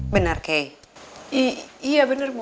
benar kei iya benar bu